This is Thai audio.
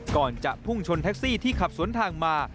ก่อนจะพุ่งชนแท็กซี่ที่ขับสวนทางมา